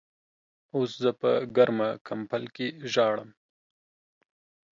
اوس زه په ګرمه کمبل کې ژاړم.